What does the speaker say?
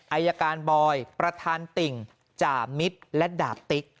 อายการบอยประธานติ่งจ่ามิตรและดาบติ๊ก